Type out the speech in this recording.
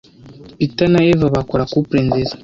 Peter na Eva bakora couple nziza.